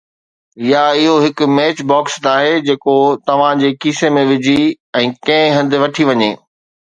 يا اهو هڪ ميچ باڪس ناهي جيڪو توهان جي کيسي ۾ وجهي ۽ ڪنهن هنڌ وٺي وڃي